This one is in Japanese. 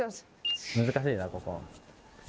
難しいな、ここ。